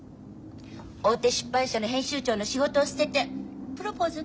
大手出版社の編集長の仕事を捨ててプロポーズ受ける？